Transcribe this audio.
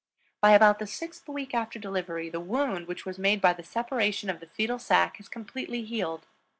By about the sixth week after delivery, the wound which was made by the separation of the fetal sac has completely healed.